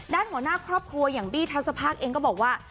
ด้านหัวหน้าครอบครัวอย่างบี้ทัศภาคเองก็บอกว่า